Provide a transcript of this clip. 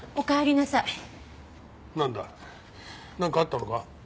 なんかあったのか？